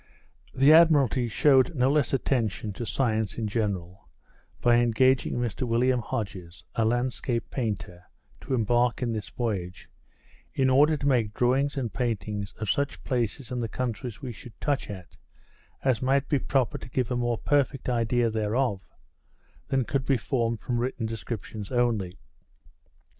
The Admiralty shewed no less attention to science in general, by engaging Mr William Hodges, a landscape painter, to embark in this voyage, in order to make drawings and paintings of such places in the countries we should touch at, as might be proper to give a more perfect, idea thereof, than could be formed from written descriptions only.